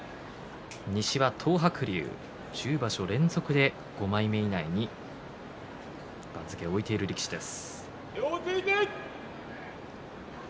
西は東白龍１０場所連続で５枚目以内に番付を置いている力士です。